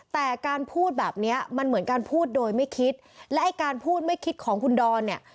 แต่การพูดแบบเนี้ยมันเหมือนการพูดโดยไม่คิดและไอ้การพูดไม่คิดของคุณดอนเนี่ย